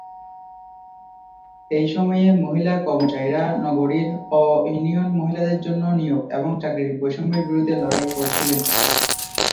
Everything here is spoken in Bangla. এই সময়ে, মহিলা কর্মচারীরা নগরীর অ-ইউনিয়ন মহিলাদের জন্য নিয়োগ এবং চাকরির বৈষম্যের বিরুদ্ধে লড়াই করেছিলেন।